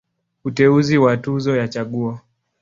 Uteuzi wa Tuzo ya Chaguo.